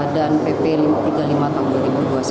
dan pp no tiga puluh lima tahun dua ribu dua puluh satu